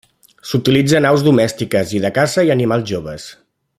S'utilitzen aus domèstiques i de caça i animals joves.